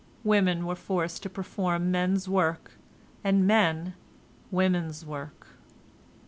Women were forced to perform men's work, and men women's work.